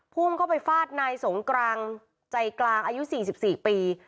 พุ่งเข้าไปฟาดนายสงกรางใจกลางอายุ๔๔ปี